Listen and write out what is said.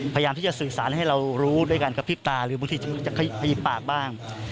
พยายามที่จะสื่อสารให้เรารู้ด้วยการกระพริบตาหรือบางทีจะขยิบปากบ้าง